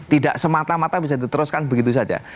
tidak semata mata bisa diteruskan begitu saja